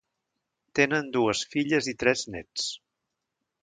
Tenen dues filles i tres néts.